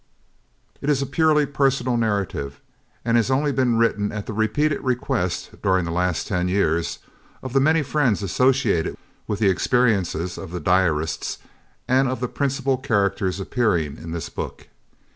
It is a purely personal narrative and has only been written at the repeated request, during the last ten years, of the many friends associated with the experiences of the diarist and of the principal characters appearing in this book.